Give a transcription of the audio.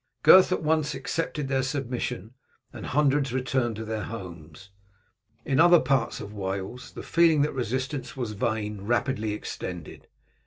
Gurth at once accepted their submission, and hundreds returned to their homes. In other parts of Wales the feeling that resistance was vain rapidly extended.